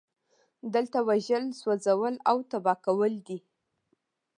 دلته وژل سوځول او تباه کول دي